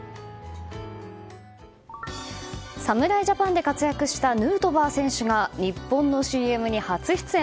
侍ジャパンで活躍したヌートバー選手が日本のＣＭに初出演。